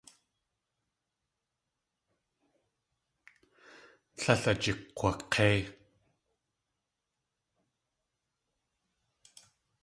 Tlél ajikg̲wak̲éi.